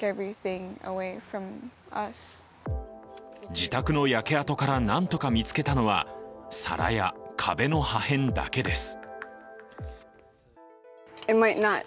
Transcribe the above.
自宅の焼け跡からなんとか見つけたのは皿や壁の破片だけです。